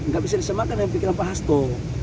gak bisa disemakan dengan pikiran pak hasto